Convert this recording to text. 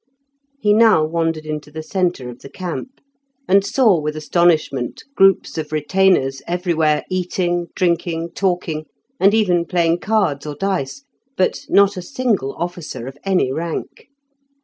He now wandered into the centre of the camp, and saw with astonishment groups of retainers everywhere eating, drinking, talking, and even playing cards or dice, but not a single officer of any rank.